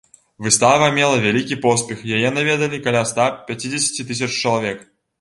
Выстава мела вялікі поспех, яе наведалі каля ста пяцідзесяці тысяч чалавек.